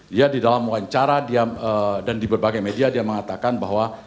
dia di dalam wawancara dia dan di berbagai media dia mengatakan bahwa